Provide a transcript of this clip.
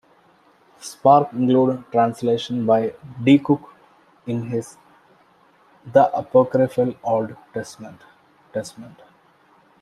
Sparks includes a translation by D. Cook in his "The Apocryphal Old Testament".